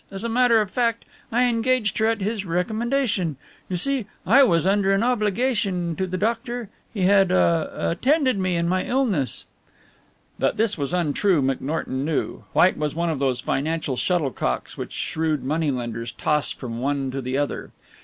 As a matter of fact, I engaged her at his recommendation. You see, I was under an obligation to the doctor. He had ah attended me in my illness." That this was untrue McNorton knew. White was one of those financial shuttlecocks which shrewd moneylenders toss from one to the other.